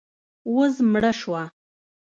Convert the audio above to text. وزمړه سوه.